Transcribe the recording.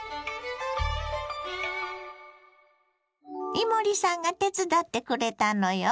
伊守さんが手伝ってくれたのよ。